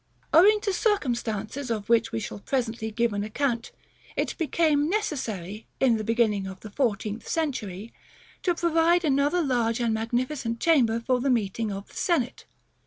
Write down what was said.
Owing to circumstances, of which we shall presently give an account, it became necessary, in the beginning of the fourteenth century, to provide another large and magnificent chamber for the meeting of the senate.